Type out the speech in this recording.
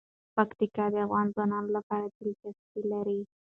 پکتیکا د افغان ځوانانو لپاره دلچسپي لري.